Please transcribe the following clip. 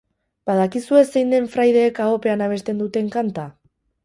Badakizue zein den fraideek ahopean abesten duten kanta?